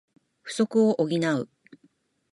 不足を補う